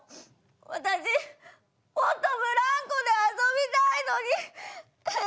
私もっとブランコで遊びたいのに！